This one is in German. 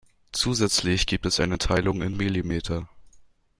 Zusätzlich gibt es eine Teilung in Millimeter.